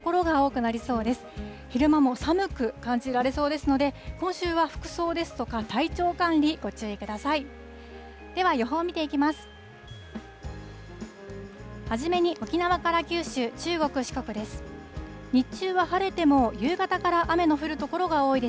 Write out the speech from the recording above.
昼間も寒く感じられそうですので、今週は服装ですとか、体調管理、ご注意ください。